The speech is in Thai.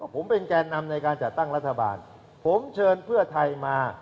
ผมเป็นแกนนำในการจัดตั้งรัฐบาลผมเชิญเพื่อไทยมา